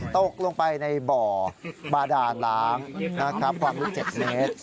ตกลงไปในบ่อบาดานล้างนะครับความลึก๗เมตร